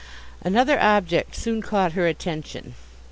Another object soon caught her attention.